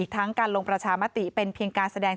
ทั้งการลงประชามติเป็นเพียงการแสดง